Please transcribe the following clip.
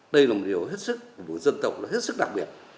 đây là một điều hết sức một dân tộc hết sức đặc biệt